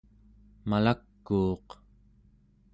malak'uuq